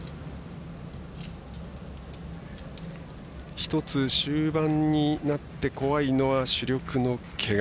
１つ、終盤になって、怖いのは主力のけが。